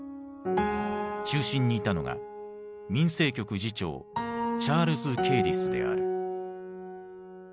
中心にいたのが民生局次長チャールズ・ケーディスである。